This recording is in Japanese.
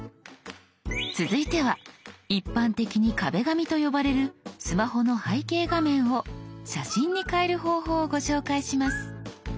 続いては一般的に「壁紙」と呼ばれるスマホの背景画面を写真に変える方法をご紹介します。